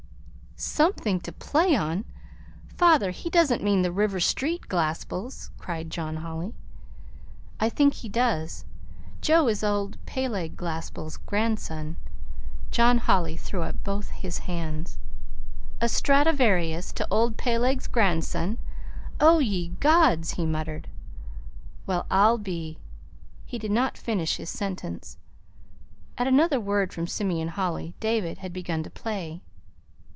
"'Something to play on'! Father, he doesn't mean the River Street Glaspells?" cried John Holly. "I think he does. Joe is old Peleg Glaspell's grandson." John Holly threw up both his hands. "A Stradivarius to old Peleg's grandson! Oh, ye gods!" he muttered. "Well, I'll be " He did not finish his sentence. At another word from Simeon Holly, David had begun to play.